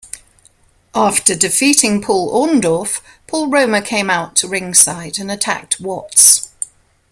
After defeating Paul Orndorff, Paul Roma came out to ringside and attacked Watts.